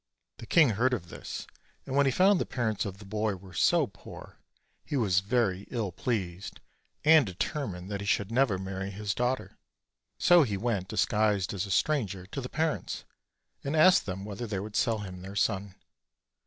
The king heard of this; and when he found the parents of the boy were so poor, he was Tery ill pleased, and determined" that he should never marry his daughter. So he went, disguised as a stranger, to the parents, and asked them whether they would sell him their son.